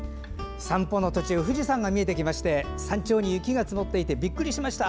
散歩の途中富士山が見えてきまして山頂に雪が積もっていてびっくりしました。